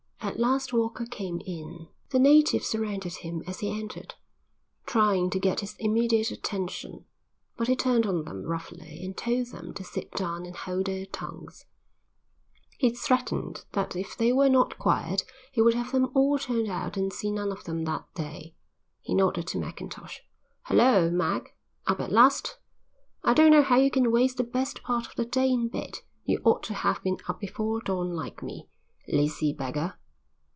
At last Walker came in. The natives surrounded him as he entered, trying to get his immediate attention, but he turned on them roughly and told them to sit down and hold their tongues. He threatened that if they were not quiet he would have them all turned out and see none of them that day. He nodded to Mackintosh. "Hulloa, Mac; up at last? I don't know how you can waste the best part of the day in bed. You ought to have been up before dawn like me. Lazy beggar."